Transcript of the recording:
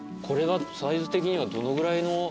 これサイズ的にはどのぐらいの。